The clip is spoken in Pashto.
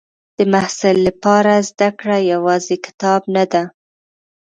د محصل لپاره زده کړه یوازې کتاب نه ده.